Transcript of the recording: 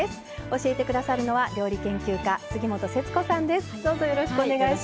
教えてくださるのは料理研究家杉本節子さんです。